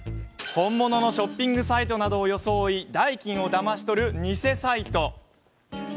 本物のショッピングサイトなどを装い代金をだまし取る偽サイト。